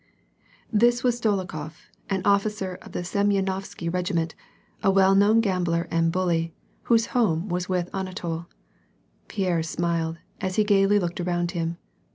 This was Dolokhof, an officer of the Semyenovsky regiment, a well known gambler and bully, whose home was with Anar tol. Pierre smiled, as he gayly looked around him.